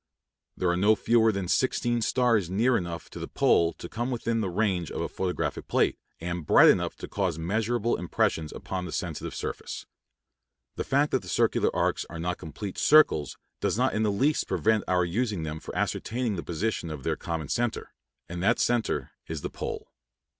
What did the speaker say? There are no fewer than sixteen stars near enough to the pole to come within the range of a photographic plate, and bright enough to cause measurable impressions upon the sensitive surface. The fact that the circular arcs are not complete circles does not in the least prevent our using them for ascertaining the position of their common centre; and that centre is the pole.